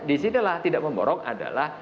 disitulah tidak memborong adalah